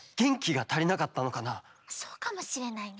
そうかもしれないね。